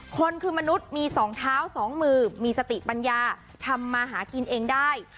คนคือมนุษย์มี๒เท้า๒มือมีสติปัญญาทำมาหากินเองได้